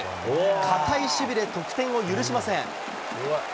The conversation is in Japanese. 堅い守備で得点を許しません。